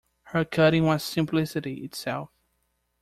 Her cutting was simplicity itself.